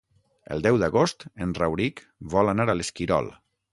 El deu d'agost en Rauric vol anar a l'Esquirol.